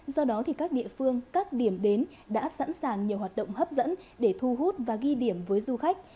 do đó các địa phương các điểm đến đã sẵn sàng nhiều hoạt động hấp dẫn để thu hút và ghi điểm với du khách